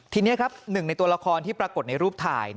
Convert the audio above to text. ทีนี้ครับหนึ่งในตัวละครที่ปรากฏในรูปถ่าย